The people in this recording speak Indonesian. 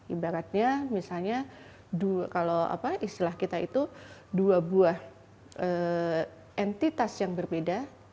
ibaratnya misalnya kalau istilah kita itu dua buah entitas yang berbeda